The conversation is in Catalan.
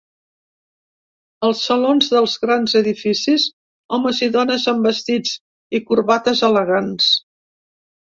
Als salons dels grans edificis, homes i dones amb vestits i corbates elegants.